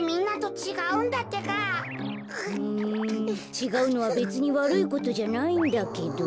ちがうのはべつにわるいことじゃないんだけど。